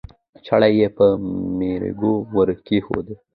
چړه یې په ورمېږ ورکېښوده